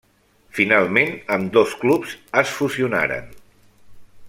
Finalment, ambdós clubs es fusionaren.